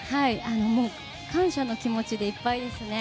もう、感謝の気持ちでいっぱいですね。